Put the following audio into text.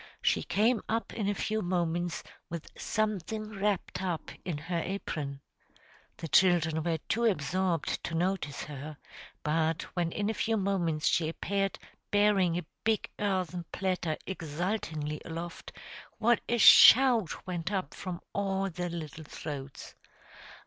She came up in a few moments with something wrapped up in her apron. The children were too absorbed to notice her, but when in a few moments she appeared bearing a big earthen platter exultingly aloft, what a shout went up from all the little throats!